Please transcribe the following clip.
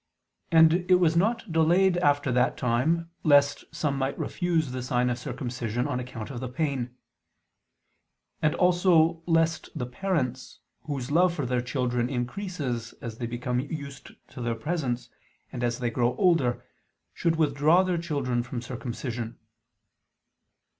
And it was not delayed after that time, lest some might refuse the sign of circumcision on account of the pain: and also lest the parents, whose love for their children increases as they become used to their presence and as they grow older, should withdraw their children from circumcision.